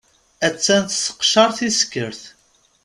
Attan tesseqcaṛ tiskert.